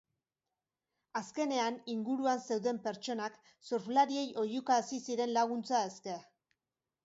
Azkenean, inguruan zeuden pertsonak surflariei oihuka hasi ziren laguntza eske.